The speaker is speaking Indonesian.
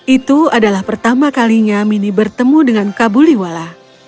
itu adalah pertama kalinya mini bertemu dengan kabuliwala